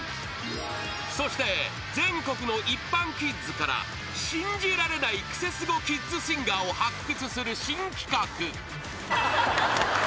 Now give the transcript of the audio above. ［そして全国の一般キッズから信じられないクセスゴキッズシンガーを発掘する新企画］